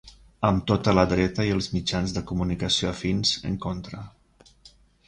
Amb tota la dreta i els mitjans de comunicació afins en contra.